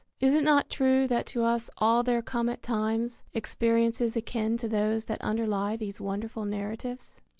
Is it not true that to us all there come at times experiences akin to those that underlie these wonderful narratives?